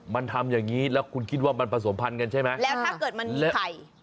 มันทำอย่างงี้แล้วคุณคิดว่ามันผสมพันธ์กันใช่ไหมแล้วถ้าเกิดมันไข่